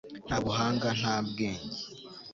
nta buhanga, nta bwenge